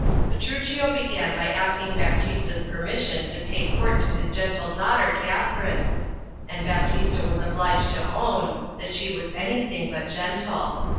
Petruchio began by asking Baptista's permission to pay court to his gentle daughter Katharine — and Baptista was obliged to own that she was anything but gentle.